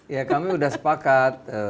ya kami sudah sepakat